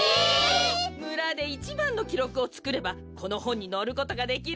むらでいちばんのきろくをつくればこのほんにのることができるんです。